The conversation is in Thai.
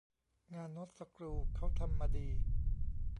งานน๊อตสกรูเค้าทำมาดี